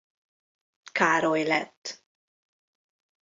Károly lett.